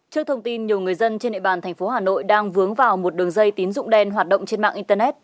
trước thông tin nhiều người dân trên địa bàn thành phố hà nội đang vướng vào một đường dây tín dụng đen hoạt động trên mạng internet